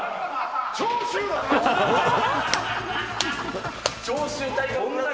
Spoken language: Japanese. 長州だな。